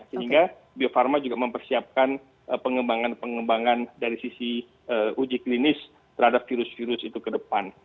sehingga bio farma juga mempersiapkan pengembangan pengembangan dari sisi uji klinis terhadap virus virus itu ke depan